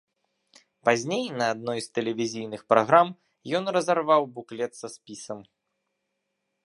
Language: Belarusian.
Пазней, на адной з тэлевізійных праграм ён разарваў буклет са спісам.